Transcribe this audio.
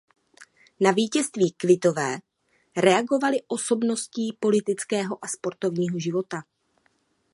Na vítězství Kvitové reagovali osobností politického a sportovního života.